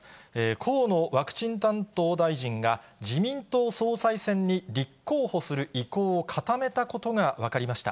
河野ワクチン担当大臣が、自民党総裁選に立候補する意向を固めたことが分かりました。